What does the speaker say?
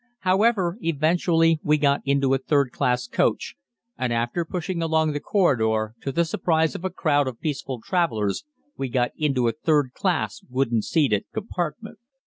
However, eventually we got into a third class coach, and after pushing along the corridor, to the surprise of a crowd of peaceful travelers, we got into a third class wooden seated compartment.